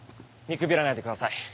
見くびらないでください